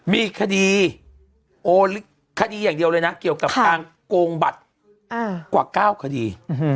มีคดีโอนคดีอย่างเดียวเลยนะเกี่ยวกับการโกงบัตรกว่า๙คดี